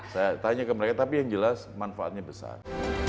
saya tanya ke mereka tapi yang jelas manfaatnya besar